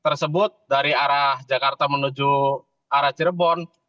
tersebut dari arah jakarta menuju arah cirebon